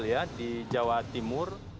dan juga di jawa timur